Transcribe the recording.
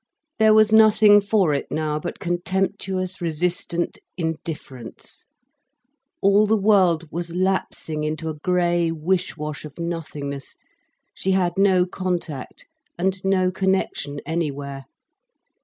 There was nothing for it now, but contemptuous, resistant indifference. All the world was lapsing into a grey wish wash of nothingness, she had no contact and no connection anywhere.